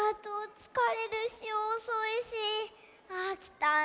つかれるしおそいしあきたなあ。